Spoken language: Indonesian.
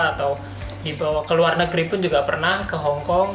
atau dibawa ke luar negeri pun juga pernah ke hongkong